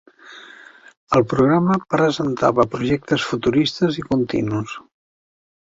El programa presentava projectes futuristes i continus.